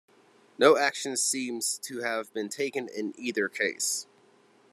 No action seems to have been taken in either case.